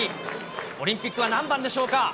オリンピックは何番でしょうか。